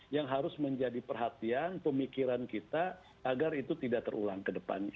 yang harus menjadi perhatian pemikiran kita agar itu tidak terulang ke depannya